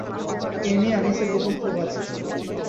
এ নিয়ে আনিসের গোপন ক্ষোভ আছে।